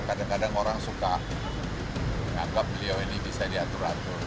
kadang kadang orang suka menganggap beliau ini bisa diatur atur